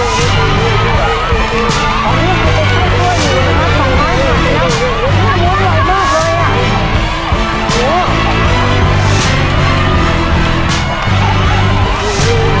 เพราะว่ามันมีเวลาให้มันเกี่ยวข้างละครับ